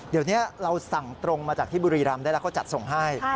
เดี๋ยวนี้เราสั่งตรงมาจากที่บุรีรำได้แล้วเขาจัดส่งให้